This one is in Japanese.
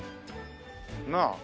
なあ。